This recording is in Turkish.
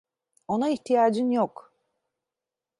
Ona ihtiyacın yok.